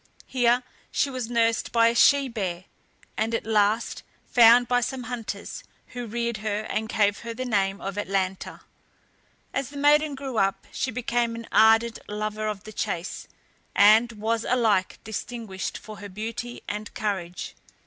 Here she was nursed by a she bear, and at last found by some hunters, who reared her, and gave her the name of Atalanta. As the maiden grew up, she became an ardent lover of the chase, and was alike distinguished for her beauty and courage.